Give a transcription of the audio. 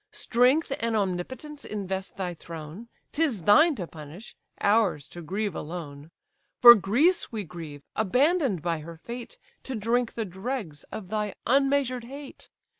Strength and omnipotence invest thy throne; 'Tis thine to punish; ours to grieve alone. For Greece we grieve, abandon'd by her fate To drink the dregs of thy unmeasured hate.